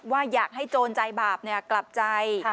ว่าอยากให้โจรใจบาปกลับใจ